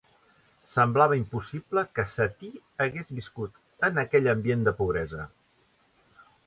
Semblava impossible que Satie hagués viscut en aquell ambient de pobresa.